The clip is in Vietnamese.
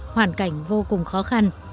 hoàn cảnh vô cùng khó khăn